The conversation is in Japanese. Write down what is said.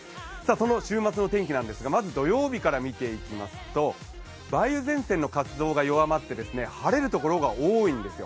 その週末の天気なんですがまず土曜日から見ていきますと梅雨前線の活動が弱まって晴れるところが多いんですよ。